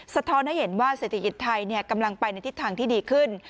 ท้อนให้เห็นว่าเศรษฐกิจไทยกำลังไปในทิศทางที่ดีขึ้น